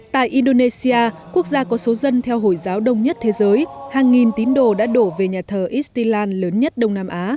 tại indonesia quốc gia có số dân theo hồi giáo đông nhất thế giới hàng nghìn tín đồ đã đổ về nhà thờ istilan lớn nhất đông nam á